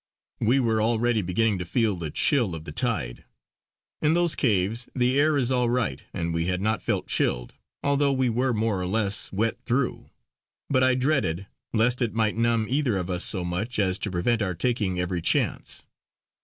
We were already beginning to feel the chill of the tide. In those caves the air is all right, and we had not felt chilled, although we were more or less wet through; but I dreaded lest it might numb either of us so much as to prevent our taking every chance.